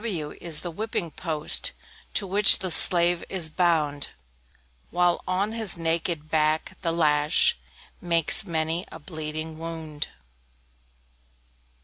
W W is the Whipping post, To which the slave is bound, While on his naked back, the lash Makes many a bleeding wound.